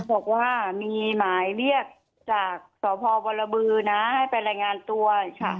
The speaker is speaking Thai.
บอกว่ามีหมายเรียกจากสพบรบือนะให้ไปรายงานตัว